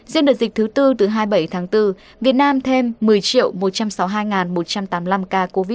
riêng đợt dịch thứ tư từ hai mươi bảy tháng bốn việt nam thêm một mươi một trăm sáu mươi hai một trăm tám mươi năm ca covid một mươi chín